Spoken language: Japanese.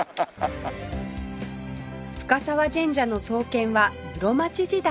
深澤神社の創建は室町時代